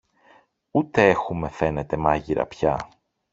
ούτε έχουμε, φαίνεται, μάγειρα πια.